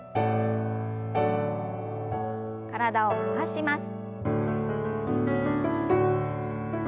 体を回します。